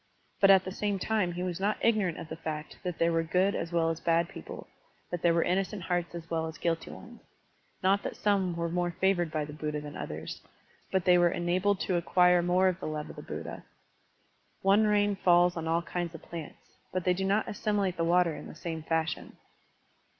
But at the same time he was not ignorant of the fact that there were good as well as bad people, that there were innocent hearts as well as guilty ones. Not that some were more favored by the Buddha than others, but they were enabled to acquire Digitized by Google BUDDHIST VIEW OP WAR I97 more of the love of the Buddha. One rain falls on all kinds of plants; but they do not assimilate the water in the same fashion.